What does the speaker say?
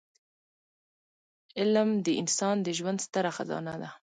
علمد انسان د ژوند ستره خزانه ده.